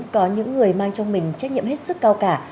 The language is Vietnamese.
có những người mang trong mình trách nhiệm hết sức cao cả